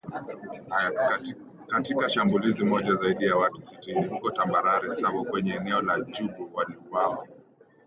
Katika shambulizi moja zaidi ya watu sitini huko Tambarare Savo kwenye eneo la Djubu waliuawa